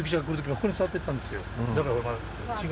ここに座ってたんですよ。